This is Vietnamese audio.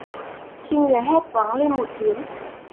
trinh liền hét toáng lên một tiếng